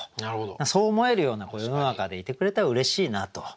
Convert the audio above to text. そう思えるような世の中でいてくれたらうれしいなと。